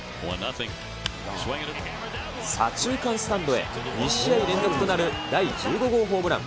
左中間スタンドへ、２試合連続となる第１５号ホームラン。